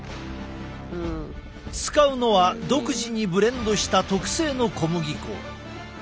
使うのは独自にブレンドした特製の小麦粉。